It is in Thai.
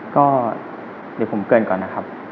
ก็เดี๋ยวผมเกินก่อนนะครับ